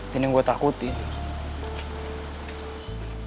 dan yang gue takutin